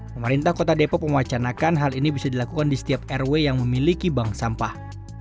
pemerintah kota depok mewacanakan hal ini bisa dilakukan di setiap rw yang memiliki bank sampah